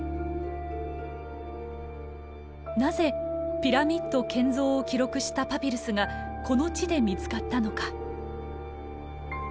なぜピラミッド建造を記録したパピルスがこの地で見つかったのか。